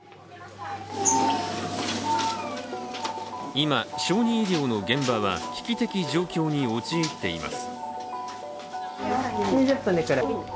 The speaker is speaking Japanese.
今、小児医療の現場は危機的状況に陥っています。